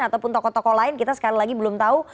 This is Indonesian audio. ataupun tokoh tokoh lain kita sekali lagi belum tahu